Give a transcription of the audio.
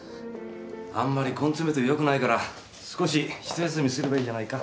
あんまり根詰めてもよくないから少しひと休みすればいいじゃないか。